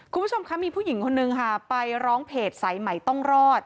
คุณผู้ชมคะมีผู้หญิงคนนึงค่ะไปร้องเพจสายใหม่ต้องรอด